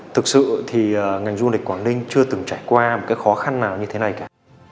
thực sự thì ngành du lịch quảng ninh chưa từng trải qua một cái khó khăn nào như thế này cả